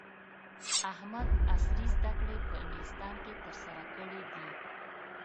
احمد عصري زده کړې په انګلستان کې ترسره کړې دي.